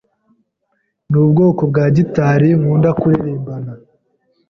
Nubwoko bwa gitari nkunda kuririmbana.